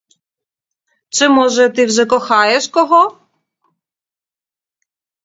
Чи, може, ти вже кохаєш кого?